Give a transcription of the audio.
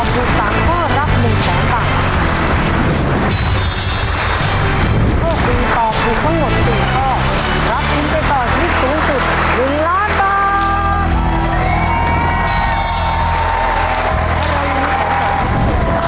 ตอบถูก๑ข้อรับ๑๐๐๐๐๐๐บาท